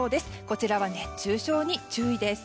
こちらは熱中症に注意です。